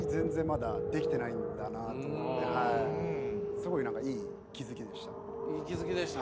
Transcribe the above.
すごい何かいい気付きでした。